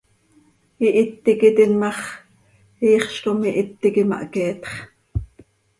Ihít iiqui tiin ma x, iixz com ihít iiqui mahqueetx.